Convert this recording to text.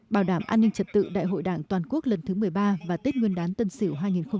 bảo đảm an ninh trật tự đại hội đảng toàn quốc lần thứ một mươi ba và tết nguyên đán tân sỉu hai nghìn hai mươi một